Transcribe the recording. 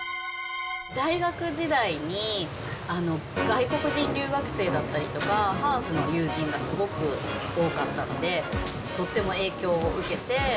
大学時代に、外国人留学生だったりとか、ハーフの友人がすごく多かったので、とっても影響を受けて。